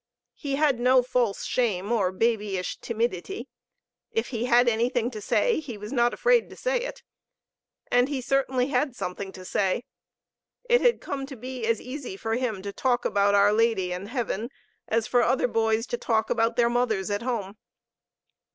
He had no false shame or babyish timidity. If he had anything to say, he was not afraid to say it. And he certainly had something to say. It had come to be as easy for him to talk about our Lady and heaven as for other boys to talk about their mothers at home.